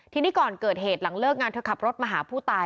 ทีนี้ก่อนเกิดเหตุหลังเลิกงานเธอขับรถมาหาผู้ตาย